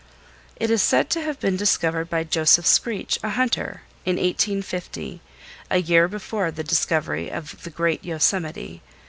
It is said to have been discovered by Joseph Screech, a hunter, in 1850, a year before the discovery of the great Yosemite.